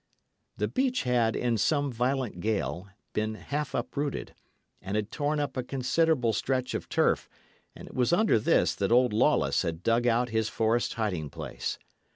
The beech had, in some violent gale, been half uprooted, and had torn up a considerable stretch of turf and it was under this that old Lawless had dug out his forest hiding place.